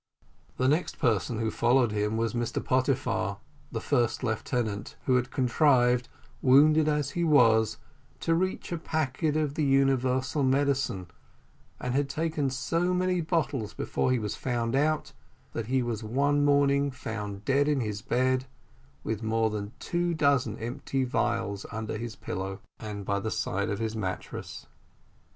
The next person who followed him was Mr Pottyfar, the first lieutenant, who had contrived, wounded as he was, to reach a packet of the universal medicine, and had taken so many bottles before he was found out, that he was one morning found dead in his bed, with more than two dozen empty phials under his pillow, and by the side of his mattress.